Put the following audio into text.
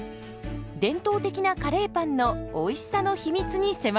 伝統的なカレーパンのおいしさの秘密に迫ります。